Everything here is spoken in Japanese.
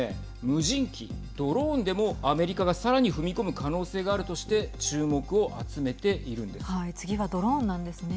無人機・ドローンでもアメリカがさらに踏み込む可能性があるとして次はドローンなんですね。